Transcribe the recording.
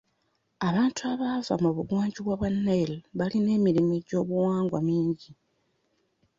Abantu abava mu buggwanjuba bwa Nile balina emirimu gy'ebyobuwangwa mingi.